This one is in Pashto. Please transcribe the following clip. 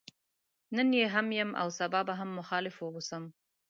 نن يې هم يم او سبا به هم مخالف واوسم.